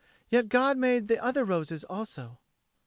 Yet God made the other roses also."